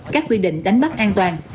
các quy định đánh bắt an toàn